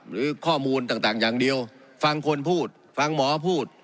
หรือข้อมูลต่างอย่างเดียวฟังคนพูดฟังหมอพูด